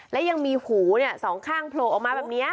และยังมีหูสองข้างโผล่ออกมาแบบนี้